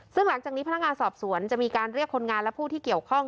ซึ่งหลังจากนี้พนักงานสอบสวนจะมีการเรียกคนงานและผู้ที่เกี่ยวข้อง